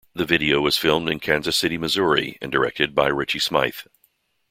The video was filmed in Kansas City, Missouri, and directed by Richie Smyth.